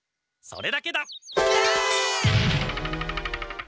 それだけだ。